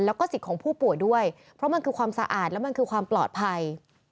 และสิทธิ์ของผู้ป่วยด้วยเพราะมันคือความสะอาดและความปลอดภัย